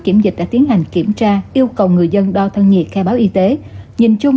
kiểm dịch đã tiến hành kiểm tra yêu cầu người dân đo thân nhiệt khai báo y tế nhìn chung